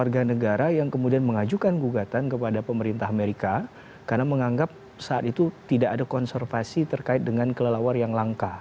warga negara yang kemudian mengajukan gugatan kepada pemerintah amerika karena menganggap saat itu tidak ada konservasi terkait dengan kelelawar yang langka